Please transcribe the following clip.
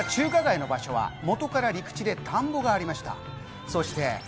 ところが中華街の場所は元から陸地で、田んぼがありました。